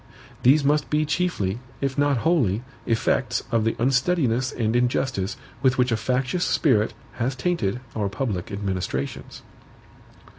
These must be chiefly, if not wholly, effects of the unsteadiness and injustice with which a factious spirit has tainted our public administrations.